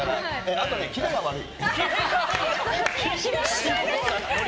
あとキーが悪い。